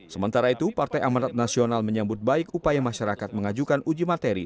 sementara itu partai amanat nasional menyambut baik upaya masyarakat mengajukan uji materi